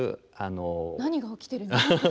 何が起きてるのか？